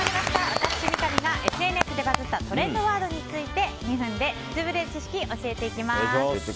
私、三上がＳＮＳでバズったトレンドワードについて２分でツウぶれる知識教えていきます。